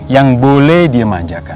yang boleh dimanjakan